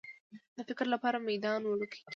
د فکر لپاره میدان وړوکی کېږي.